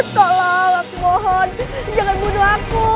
tolong aku mohon jangan bunuh aku